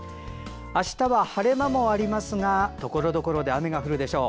あしたは晴れ間もありますがところどころで雨が降るでしょう。